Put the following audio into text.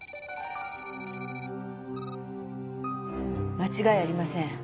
間違いありません。